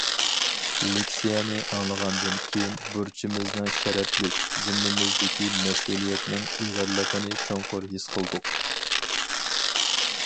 لېكسىيەنى ئاڭلىغاندىن كېيىن بۇرچىمىزنىڭ شەرەپلىك، زىممىمىزدىكى مەسئۇلىيەتنىڭ ئېغىرلىقىنى چوڭقۇر ھېس قىلدۇق.